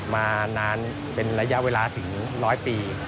มานานเป็นระยะเวลาถึง๑๐๐ปี